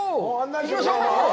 行きましょう。